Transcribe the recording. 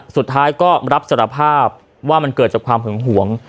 สุดท้ายก็รับสารภาพว่ามันเกิดจากความหึงหวง